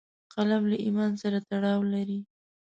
قلم له ایمان سره تړاو لري